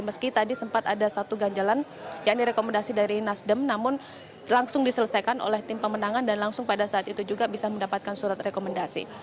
meski tadi sempat ada satu ganjalan yakni rekomendasi dari nasdem namun langsung diselesaikan oleh tim pemenangan dan langsung pada saat itu juga bisa mendapatkan surat rekomendasi